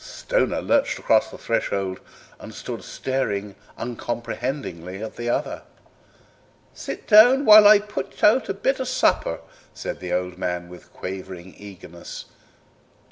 Stoner lurched across the threshold and stood staring uncomprehendingly at the other. "Sit down while I put you out a bit of supper," said the old man with quavering eagerness.